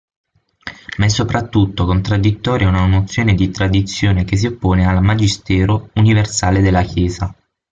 Ma è soprattutto contraddittoria una nozione di Tradizione che si oppone al Magistero universale della Chiesa.